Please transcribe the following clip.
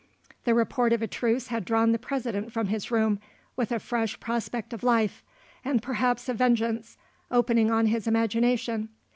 The report of a truce had drawn the President from his room, with a fresh prospect of life, and perhaps of vengeance, opening on his imagination.